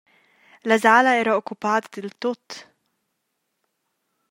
La sala era occupada diltut.